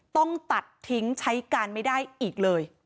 ต้องตัดทิ้งใช้การไม่ได้อีกเลย